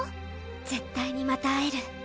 「絶対にまた会える」